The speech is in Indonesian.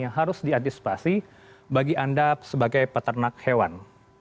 yang harus diantisipasi bagi anda sebagai peternak hewan